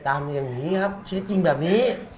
ตามอย่างนี้ครับใช้จริงแบบนี้